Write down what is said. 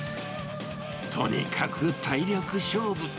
とにかく体力勝負。